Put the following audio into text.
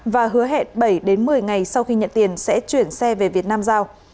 và hứa hẹn bảy đến một mươi ngày sau khi nhận tiền sẽ chuyển xe về việt nam giao